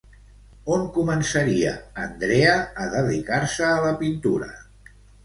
On començaria Andrea a dedicar-se a la pintura?